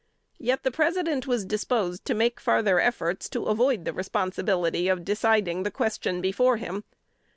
Yet the President was disposed to make farther efforts to avoid the responsibility of deciding the question before him.